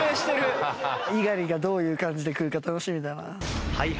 猪狩がどういう感じでくるか楽しみだな。